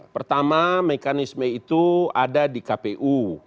pertama mekanisme itu ada di kpu